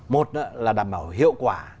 một là đảm bảo hiệu quả